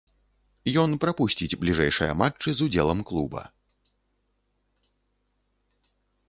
Ён прапусціць бліжэйшыя матчы з удзелам клуба.